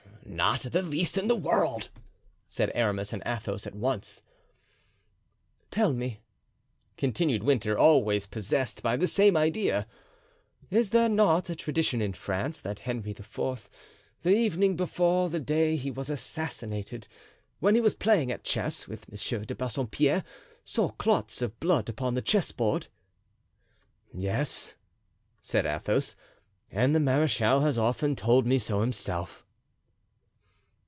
"Not the least in the world," said Aramis and Athos at once. "Tell me," continued Winter, always possessed by the same idea, "is there not a tradition in France that Henry IV., the evening before the day he was assassinated, when he was playing at chess with M. de Bassompiere, saw clots of blood upon the chessboard?" "Yes," said Athos, "and the marechal has often told me so himself."